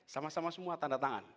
sama sama semua tanda tangan